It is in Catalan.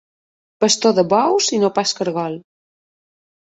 Pastor de bous i no pas cargol.